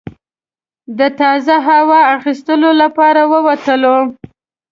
د تازه هوا اخیستلو لپاره ووتلو.